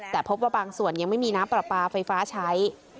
แต่พบว่าบางส่วนยังไม่มีน้ำปลาปลาไฟฟ้าใช้